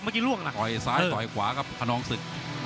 ต่อยซ้ายต่อยขวาครับพนองศึก